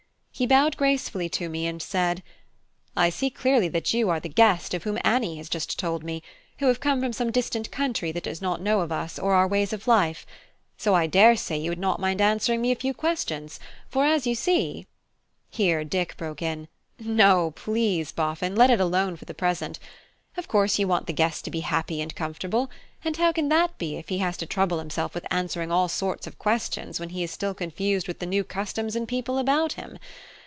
He bowed gracefully to me and said "I see clearly that you are the guest, of whom Annie has just told me, who have come from some distant country that does not know of us, or our ways of life. So I daresay you would not mind answering me a few questions; for you see " Here Dick broke in: "No, please, Boffin! let it alone for the present. Of course you want the guest to be happy and comfortable; and how can that be if he has to trouble himself with answering all sorts of questions while he is still confused with the new customs and people about him?